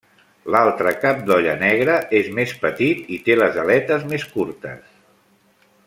L'altre cap d'olla negre és més petit i té les aletes més curtes.